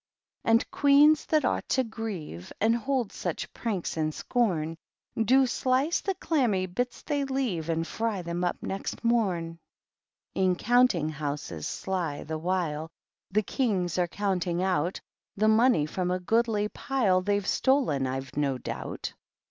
And Qysens that ought to grievCy And hold such pranks in scorn, Do slice the clammy bits they leave. And fry them up n^xt mom. In Counting Houses sly, the while, The Kings are counting out The Money from a goodly pile They^ve stolen, I have no doubt.